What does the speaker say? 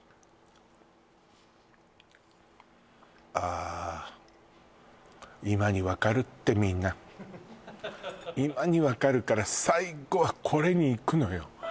あ今に分かるってみんな今に分かるから最後はこれにいくのよ